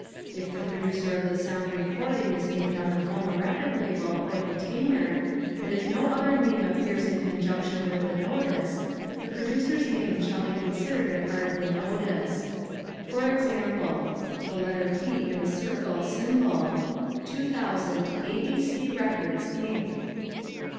If the producer of the sound recording is named on the phonorecord label or container and if no other name appears in conjunction with the notice, the producer's name shall be considered a part of the notice. Example: (the letter P in a circle symbol) 2000 A. B. C. Records Inc.